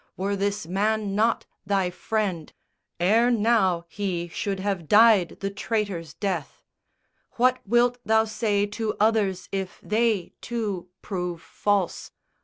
"_Were this man not thy friend, Ere now he should have died the traitor's death. What wilt thou say to others if they, too, Prove false?